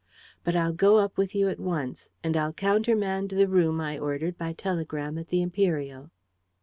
But I'll go up with you at once. And I'll countermand the room I ordered by telegram at the Imperial."